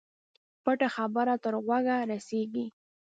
پټه خبره تر غوږه رسېږي.